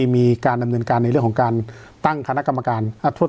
มีการดำเนินการในเรื่องของการ